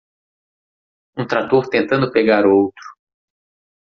Um trator tentando pegar outro